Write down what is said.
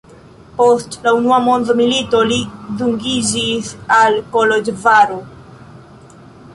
Post la unua mondmilito li dungiĝis al Koloĵvaro.